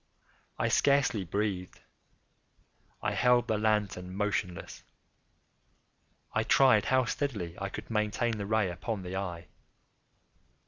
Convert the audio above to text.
I scarcely breathed. I held the lantern motionless. I tried how steadily I could maintain the ray upon the eve.